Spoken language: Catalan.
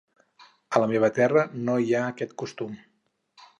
A la meva terra no hi ha aquest costum.